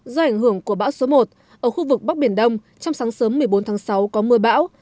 do ảnh hưởng của bão số một ở khu vực bắc biển đông trong sáng sớm một mươi bốn tháng sáu có mưa bão